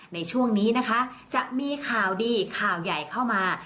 ในช่วงนี้นะคะจะมีข่าวดีข่าวใหญ่เข้ามา